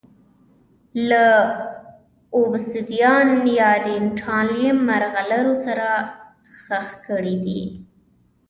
له اوبسیدیان او ډینټالیم مرغلرو سره ښخ کړي دي